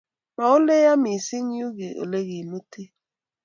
Ma ole yaa mising, uu olegimute